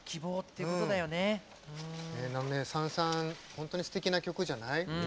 本当にすてきな曲じゃない。